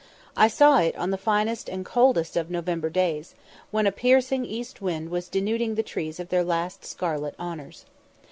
I saw it on the finest and coldest of November days, when a piercing east wind was denuding the trees of their last scarlet honours.